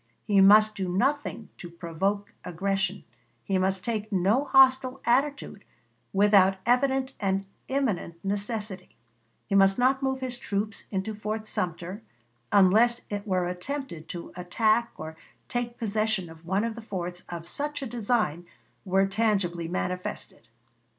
He must do nothing to provoke aggression; he must take no hostile attitude without evident and imminent necessity; he must not move his troops into Fort Sumter, unless it were attempted to attack or take possession of one of the forts or such a design were tangibly manifested.